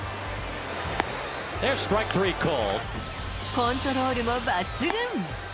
コントロールも抜群。